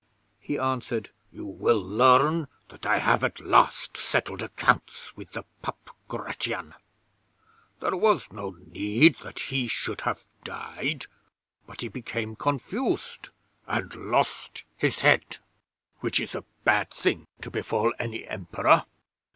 He answered: "You will learn that I have at last settled accounts with the pup Gratian. There was no need that he should have died, but he became confused and lost his head, which is a bad thing to befall any Emperor.